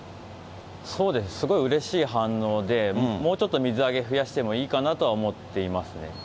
そうですね、すごいうれしい反応で、もうちょっと水揚げ増やしてもいいかなとは思っていますね。